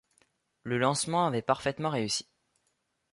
Le lancement avait parfaitement réussi.